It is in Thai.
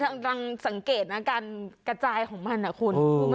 นังสังเกตนะการกระจายของมัน